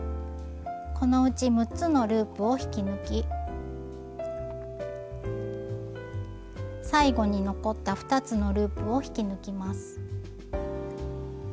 このうち６つのループを引き抜き最後に残った２つのループを引き抜きます。